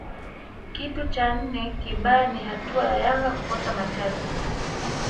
Kitu cha nne kibaya ni hatua ya Yanga kukosa mataji